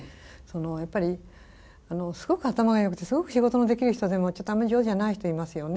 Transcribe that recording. やっぱりすごく頭がよくてすごく仕事のできる人でもちょっとあんまり上手じゃない人いますよね。